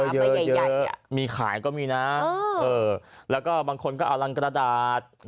เยอะมีขายก็มีนะแล้วก็บางคนก็เอารังกระดาษ